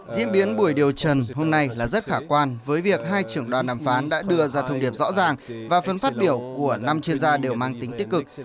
diễn biến buổi điều trần hôm nay là rất khả quan với việc hai trưởng đoàn đàm phán đã đưa ra thông điệp rõ ràng và phần phát biểu của năm chuyên gia đều mang tính tích cực